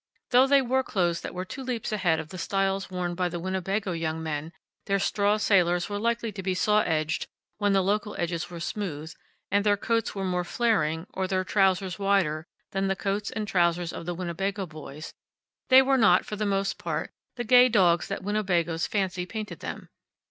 Though they wore clothes that were two leaps ahead of the styles worn by the Winnebago young men their straw sailors were likely to be saw edged when the local edges were smooth, and their coats were more flaring, or their trousers wider than the coats and trousers of the Winnebago boys they were not, for the most part, the gay dogs that Winnebago's fancy painted them.